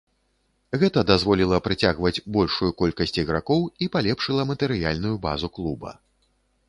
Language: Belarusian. Гэта дазволіла прыцягваць большую колькасць ігракоў і палепшыла матэрыяльную базу клуба.